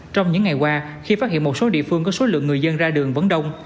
trong những ngày qua khi phát hiện một số địa phương có số lượng người dân ra đường vẫn đông